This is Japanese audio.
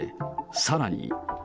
さらに。